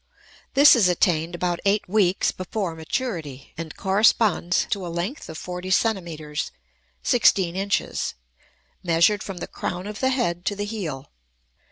This is attained about eight weeks before maturity, and corresponds to a length of forty centimeters (16 inches), measured from the crown of the head to the heel.